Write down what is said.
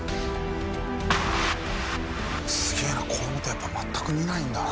すげえな子どもってやっぱ全く見ないんだな。